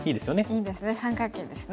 いいですね三角形ですね。